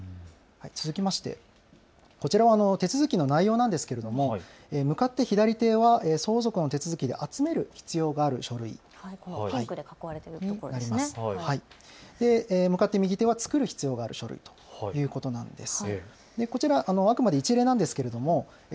続きまして、こちらは手続きの内容なんですけれども向かって左手、相続の手続きで集める必要がある書類、向かって右手は作る必要がある書類ということなんです。